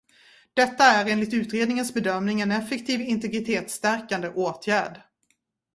Detta är enligt utredningens bedömning en effektiv integritetsstärkande åtgärd.